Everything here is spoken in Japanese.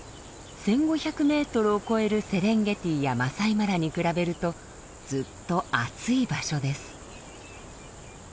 １，５００メートルを超えるセレンゲティやマサイマラに比べるとずっと暑い場所です。